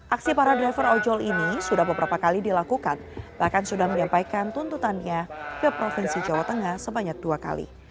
aksi para driver ojol ini sudah beberapa kali dilakukan bahkan sudah menyampaikan tuntutannya ke provinsi jawa tengah sebanyak dua kali